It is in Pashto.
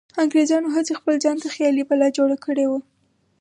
انګریزانو هسې خپل ځانته خیالي بلا جوړه کړې وه.